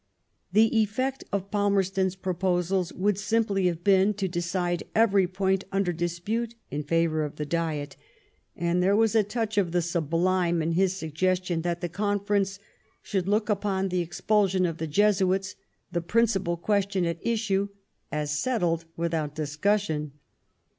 The effect of Palmerston's proposals would simply have been to decide every point under dispute in favour of the Diet, and there was a touch of the sublime in his suggestion that the Conference should look upon the expulsion of the Jesuits, the principal question at issue, as settled without discussion.